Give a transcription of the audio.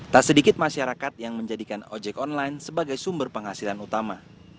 tak sedikit masyarakat yang menjadikan ojek online sebagai sumber penghasilan utama